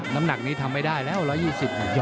น้ำหนักนี้ทำไม่ได้แล้ว๑๒๐ยอด